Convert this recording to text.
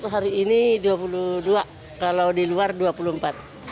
hari ini dua puluh dua kalau di luar rp dua puluh empat